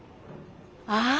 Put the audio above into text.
ああ！